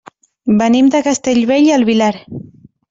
Venim de Castellbell i el Vilar.